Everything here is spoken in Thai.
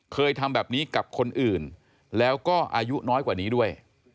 เคยทำแบบนี้กับคนอื่นแล้วก็อายุน้อยกว่านี้ด้วย